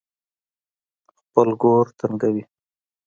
خپل ګور تنګوي.